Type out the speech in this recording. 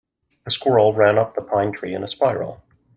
The squirrel ran up the pine tree in a spiral.